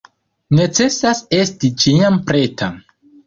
Necesas esti ĉiam preta.